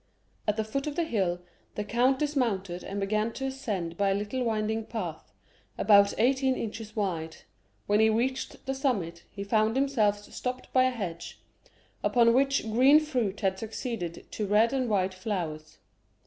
At the foot of the hill the count dismounted and began to ascend by a little winding path, about eighteen inches wide; when he reached the summit he found himself stopped by a hedge, upon which green fruit had succeeded to red and white flowers.